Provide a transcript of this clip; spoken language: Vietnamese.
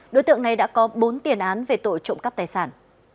đối tượng này đã có bốn tiền án về tội trộm cắp tài sản